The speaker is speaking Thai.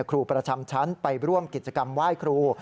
ครูประจำชั้นไปร่วมกิจกรรมไหว้ครู